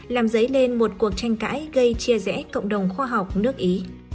làm dấy lên một cuộc tranh cãi gây chia rẽ cộng đồng khoa học nước ý